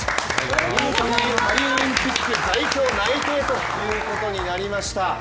見事パリオリンピック代表内定ということになりました。